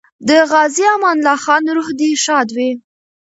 د غازي امان الله خان روح دې ښاد وي.